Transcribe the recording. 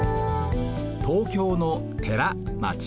東京の寺町。